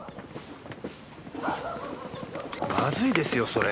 まずいですよそれ。